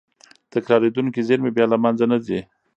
تکرارېدونکې زېرمې بیا له منځه نه ځي.